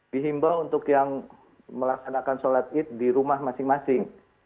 dihimbau untuk yang melaksanakan sholat id di rumah masing masing